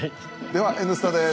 では「Ｎスタ」です。